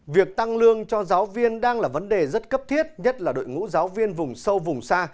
việc tăng lương cho giáo viên đang là vấn đề rất cấp thiết nhất là đội ngũ giáo viên vùng sâu vùng xa